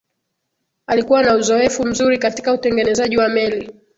alikuwa na uzoefu mzuri katika utengenezaji wa meli